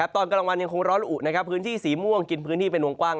ตอนกลางวันยังคงร้อนละอุพื้นที่สีม่วงกินพื้นที่เป็นวงกว้าง